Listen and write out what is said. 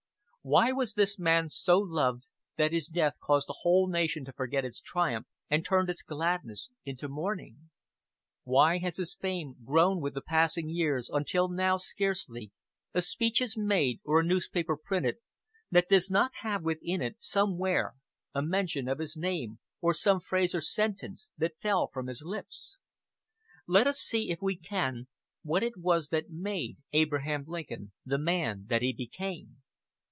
Why was this man so loved that his death caused a whole nation to forget its triumph, and turned its gladness into mourning? Why has his fame grown with the passing years until now scarcely a speech is made or a newspaper printed that does not have within it somewhere a mention of his name or some phrase or sentence that fell from his lips? Let us see if we can, what it was that made Abraham Lincoln the man that he became.